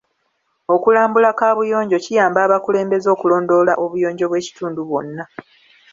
Okulambula kaabuyonjo kiyamba abakulembeze okulondoola obuyonjo bw'ekitundu kyonna.